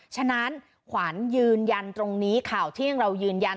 ฉะนั้นขวัญยืนยันตรงนี้ข่าวเที่ยงเรายืนยัน